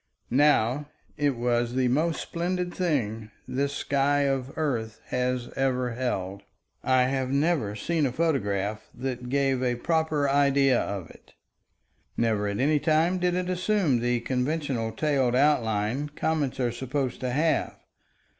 Now it was the most splendid thing this sky of earth has ever held. I have never seen a photograph that gave a proper idea of it. Never at any time did it assume the conventional tailed outline, comets are supposed to have.